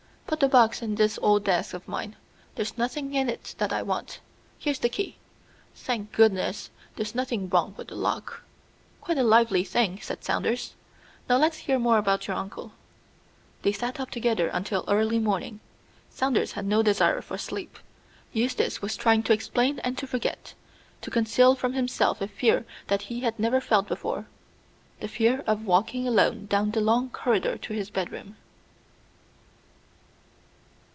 Put the box in this old desk of mine. There's nothing in it that I want. Here's the key. Thank goodness, there's nothing wrong with the lock." "Quite a lively evening," said Saunders. "Now let's hear more about your uncle." They sat up together until early morning. Saunders had no desire for sleep. Eustace was trying to explain and to forget: to conceal from himself a fear that he had never felt before the fear of walking alone down the long corridor to his bedroom.